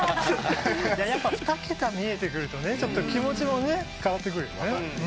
やっぱ二桁見えてくると気持ちも変わってくるよね。